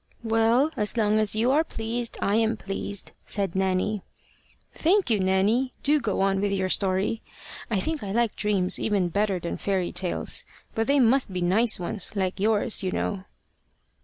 "Well, as long as you are pleased I am pleased," said Nanny. "Thank you, Nanny. Do go on with your story. I think I like dreams even better than fairy tales. But they must be nice ones, like yours, you know."